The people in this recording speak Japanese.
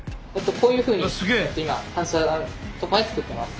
こういうふうに今反射作ってます。